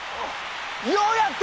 ようやった！